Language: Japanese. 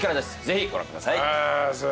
ぜひご覧ください。